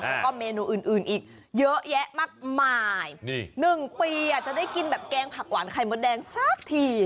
แล้วก็เมนูอื่นอีกเยอะแยะมากมาย๑ปีจะได้กินแบบแกงผักหวานไข่มดแดงสักที